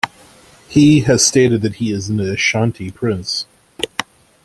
He has stated that he is an Ashanti prince.